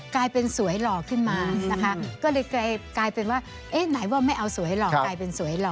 กลายเป็นสวยหล่อขึ้นมานะคะก็เลยกลายเป็นว่าเอ๊ะไหนว่าไม่เอาสวยหล่อกลายเป็นสวยหล่อ